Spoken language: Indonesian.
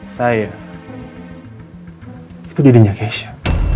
saya itu dirinya geisha